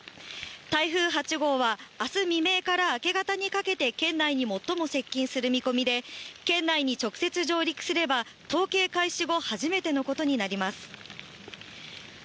台風８号は、あす未明から明け方にかけて県内に最も接近する見込みで、県内に直接上陸すれば、統計開始後初めてのことになります。